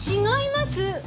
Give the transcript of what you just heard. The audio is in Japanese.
違います！